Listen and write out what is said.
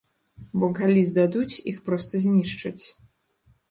Бо калі здадуць, іх проста знішчаць.